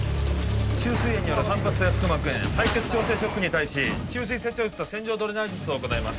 虫垂炎による汎発性腹膜炎敗血症性ショックに対し虫垂切除術と洗浄ドレナージ術を行います